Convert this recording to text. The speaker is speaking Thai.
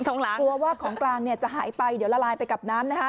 กลัวว่าของกลางเนี่ยจะหายไปเดี๋ยวละลายไปกับน้ำนะฮะ